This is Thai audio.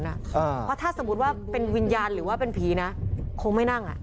เพราะถ้าสมมุติว่าเป็นวิญญาณหรือว่าเป็นผีนะคงไม่นั่ง